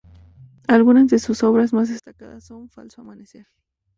Algunas de sus obras más destacadas son: "Falso amanecer.